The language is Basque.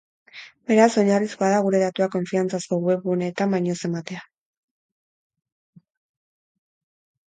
Beraz, oinarrizkoa da gure datuak konfiantzazko web guneetan baino ez ematea.